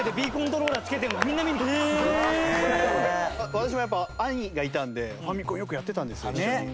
私もやっぱ兄がいたのでファミコンよくやってたんですよ一緒に。